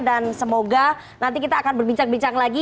dan semoga nanti kita akan berbincang bincang lagi